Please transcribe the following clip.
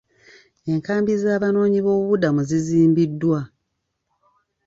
Enkambi z'abanoonyiboobubuddamu zizimbiddwa